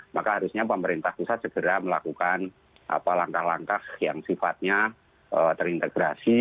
maka harusnya pemerintah pusat segera melakukan langkah langkah yang sifatnya terintegrasi